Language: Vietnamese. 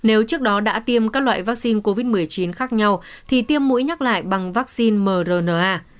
nếu trước đó đã tiêm các loại vaccine covid một mươi chín khác nhau thì tiêm mũi nhắc lại bằng vaccine mrna